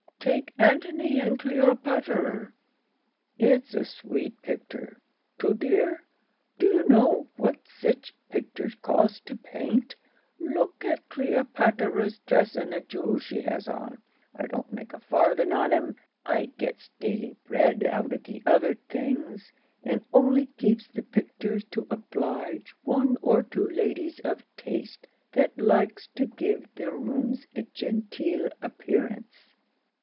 Take 'Antony and Cleopatterer.' It's a sweet picter. Too dear? Do you know what sech picters costs to paint? Look at Cleopatterer's dress and the jewels she has on. I don't make a farthing on 'em. I gets daily bread out of the other things, and only keeps the picters to oblige one or two ladies of taste that likes to give their rooms a genteel appearance."